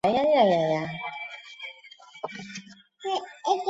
曾被选为第四届全国政协委员。